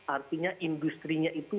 artinya industri nya itu